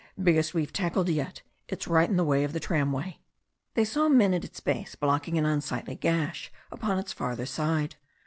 "Biggest we've tackled yet. It's right in the way of the tramway." They saw men at its base blocking an unsightly gash upon its farther side.